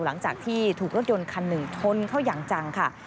หลังจากที่ถูกรถยนต์คันหนึ่งชนเข้าอย่างจังค่ะ